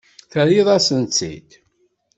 Terriḍ-asent-tt-id.